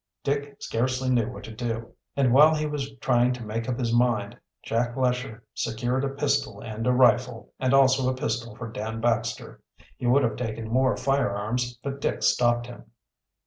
Dick scarcely knew what to do, and while he was trying to make up his mind Jack Lesher secured a pistol and a rifle, and also a pistol for Dan Baxter. He would have taken more fire arms, but Dick stopped him.